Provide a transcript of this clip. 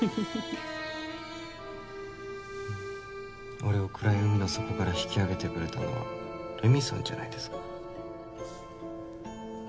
俺を暗い海の底から引き上げてくれたのは麗美さんじゃないですか。